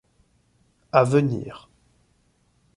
A venir...